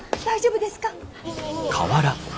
大丈夫ですか？